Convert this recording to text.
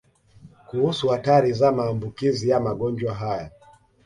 Kuhusu hatari za maambukizi ya magonjwa haya